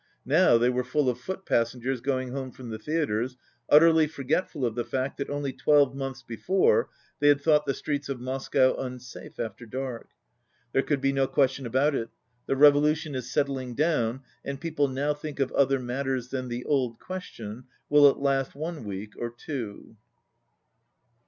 Now they were full of foot passengers going home from the theatres, utterly forgetful of the fact that only twelve months be fore they had thought the streets of Moscow un safe after dark. There could be no question about it. The revolution is settling down, and people now think of other matters than the old question, will it last one week or two?